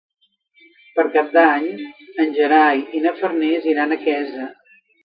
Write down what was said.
Per Cap d'Any en Gerai i na Farners iran a Quesa.